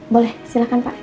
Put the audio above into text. boleh silakan pak